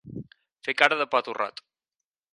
Fer cara de pa torrat.